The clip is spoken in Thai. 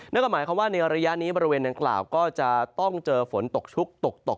นั่นก็หมายความว่าในระยะนี้บริเวณดังกล่าวก็จะต้องเจอฝนตกชุกตกตก